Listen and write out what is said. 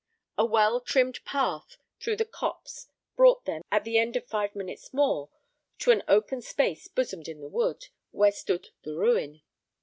A well trimmed path, through the copse brought them, at the end of five minutes more to an open space bosomed in the wood, where stood the ruin.